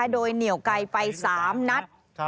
โดยเหนี่ยวไก่ไปสามนัด